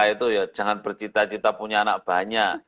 itu ya jangan bercita cita punya anak banyak